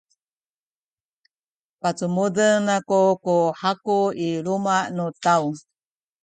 pacumuden aku ku haku i luma’ nu taw.